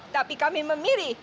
tapi kami memilih